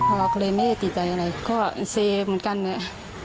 พอเกรเมตติดใจอะไรก็เซเหมือนกันเลย